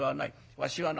わしはな